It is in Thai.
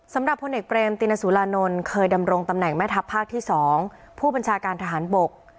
สำหรับพลเอกเบรมตินสุรานนท์เคยดำรงตำแหน่งแม่ทัพภาคที่๒ผู้บัญชาการทหารบก